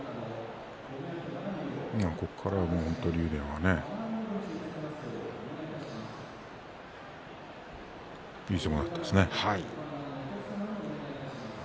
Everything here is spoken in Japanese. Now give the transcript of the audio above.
ここからは本当に竜電はいい相撲だったですね。